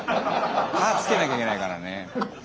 歯つけなきゃいけないからね。